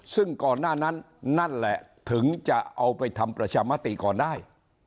ซึ่งก่อนหน้านั้นนั่นแหละถึงจะเอาไปทำประชามติก่อนได้